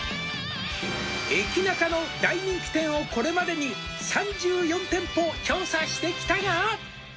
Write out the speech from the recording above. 「駅ナカの大人気店をこれまでに３４店舗」「調査してきたが」